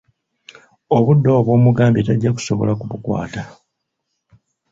Obudde obwo bw'omugambye tajja kusobola kubukwata.